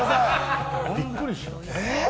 びっくりした。